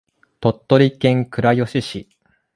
鳥取県倉吉市